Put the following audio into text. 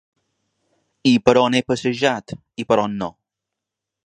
I per on he passejat i per on no.